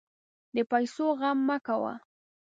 د پیسو غم مه کوه.